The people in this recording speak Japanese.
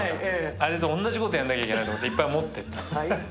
あれと同じことをやらなきゃいけないと思って持っていったんです。